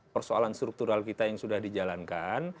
persoalan struktural kita yang sudah dijalankan